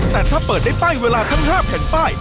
แต่ถ้าเปิดได้ป้ายเวลาทั้ง๕แผ่นป้าย